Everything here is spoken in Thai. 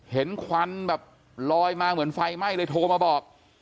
ควันแบบลอยมาเหมือนไฟไหม้เลยโทรมาบอก